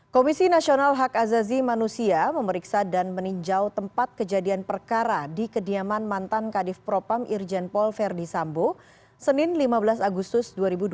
komisi nasional hak azazi manusia memeriksa dan meninjau tempat kejadian perkara di kediaman mantan kadif propam irjen pol verdi sambo senin lima belas agustus dua ribu dua puluh